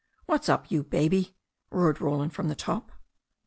What's up, you baby?" roared Roland from the top.